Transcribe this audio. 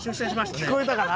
聞こえたかな？